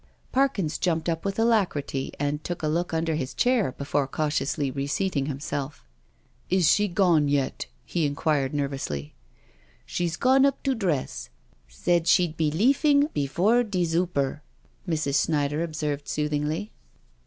Parkins jumped up with alacrity and took a look under his chair before cautiously reseating himself. '* Is she gone yet?'* he inquired nervously. " She*s gone up to dress — said she'd be leafing before de zooper/' Mrs. Schneider observed soothingly.